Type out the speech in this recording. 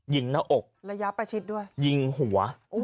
ยิงหน้าอกยิงหัว